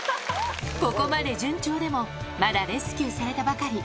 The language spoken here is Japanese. ここまで順調でも、まだレスキューされたばかり。